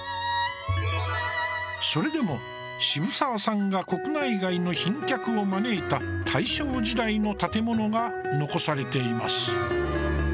それでも渋沢さんが国内外の賓客を招いた大正時代の建物が残されています。